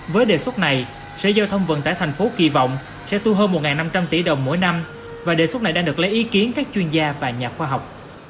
với đề xuất này sở giao thông vận tải thành phố kỳ vọng sẽ tu hơn một năm trăm linh tỷ đồng mỗi năm và đề xuất này đang được lấy ý kiến các chuyên gia và nhà khoa học